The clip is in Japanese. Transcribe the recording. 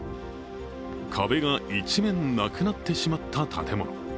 壁が一面、なくなってしまった建物。